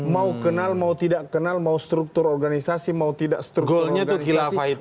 mau kenal mau tidak kenal mau struktur organisasi mau tidak struktur organisasi